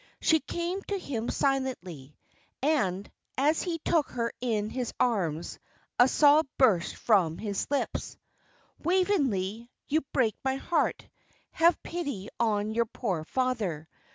She came to him silently, and as he took her in his arms a sob burst from his lips. "Waveney, you will break my heart. Have pity on your poor father.